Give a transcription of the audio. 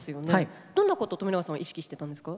どんなことを冨永さんは意識してたんですか？